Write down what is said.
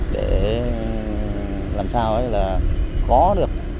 để làm sao là có được